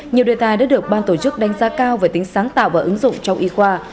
nhiều đề tài đã được ban tổ chức đánh giá cao về tính sáng tạo và ứng dụng trong y khoa